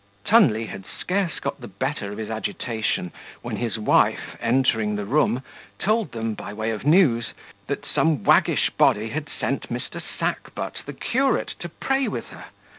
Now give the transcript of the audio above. Tunley had scarce got the better of his agitation, when his wife, entering the room, told them, by way of news, that some waggish body had sent Mr. Sackbut the curate to pray with her.